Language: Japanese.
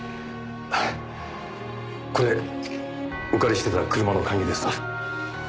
これお借りしてた車の鍵です。